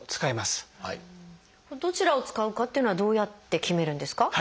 どちらを使うかっていうのはどうやって決めるんですか？